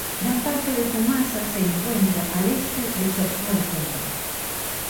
Gran parte de su masa se encuentra al este de su actual cumbre.